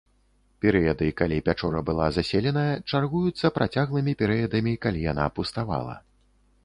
Перыяды, калі пячора была заселеная, чаргуюцца працяглымі перыядамі, калі яна пуставала.